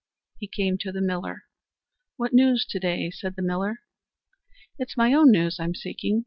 He came to the miller. "What news to day?" said the miller. "It's my own news I'm seeking.